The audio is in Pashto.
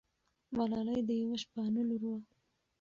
ملالۍ د یوه شپانه لور ده.